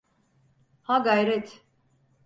Ha gayret!